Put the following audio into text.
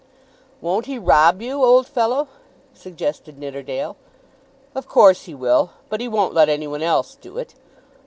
"Won't he rob you, old fellow?" suggested Nidderdale. "Of course he will; but he won't let any one else do it.